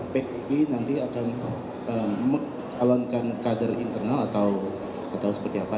pkb nanti akan mencalonkan kader internal atau seperti apa